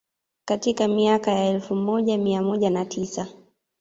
Katika miaka ya elfu moja mia moja na tisa